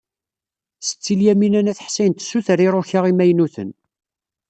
Setti Lyamina n At Ḥsayen tessuter iruka imaynuten.